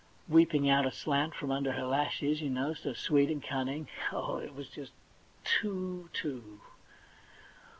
peeping out aslant from under her lashes, you know, so sweet and cunning. Oh, it was just too too!